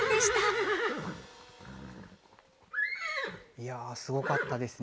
いやすごかったですね。